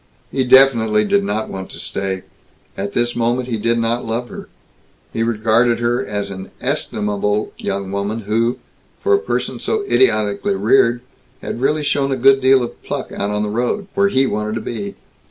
He definitely did not want to stay. At this moment he did not love her. He regarded her as an estimable young woman who, for a person so idiotically reared, had really shown a good deal of pluck out on the road where he wanted to be.